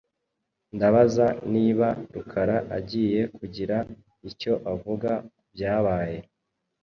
Ndabaza niba Rukara agiye kugira icyo avuga kubyabaye.